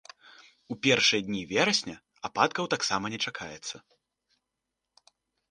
У першыя дні верасня ападкаў таксама не чакаецца.